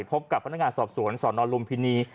พบกับพนักงานสอบสวนสนลุมพินี